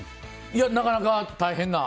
なかなか大変な。